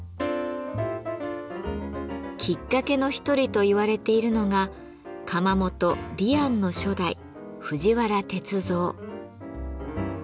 きっかけの一人と言われているのが窯元・狸庵の初代藤原銕造。